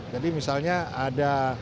jadi misalnya ada